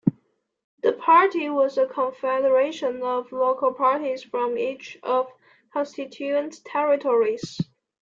The party was a confederation of local parties from each of the constituent territories.